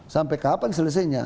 sampai kapan selesainya